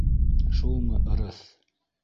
Шулмы ырыҫ?!